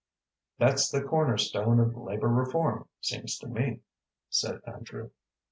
"That's the corner stone of labor reform, seems to me," said Andrew.